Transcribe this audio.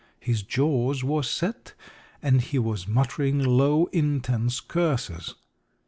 His jaws were set, and he was muttering low, intense curses.